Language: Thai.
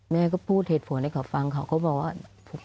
แม่ก็พูดเหตุผลให้เขาฟังเขาก็บอกว่า